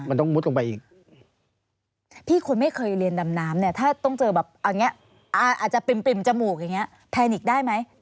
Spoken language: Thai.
คือมุดนี่ไม่ได้แปลว่าต้องมุดลึกอย่างเดียว